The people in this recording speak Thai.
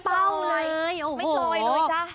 ไม่จอยเลยจ๊ะ